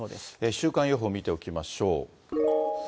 週間予報見ておきましょう。